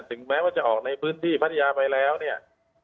ถึงแม้ว่าจะออกในพื้นที่พัทยาไปแล้วเนี่ย